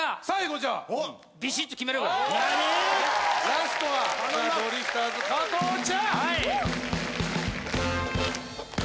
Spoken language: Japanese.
ラストはザ・ドリフターズ加藤茶。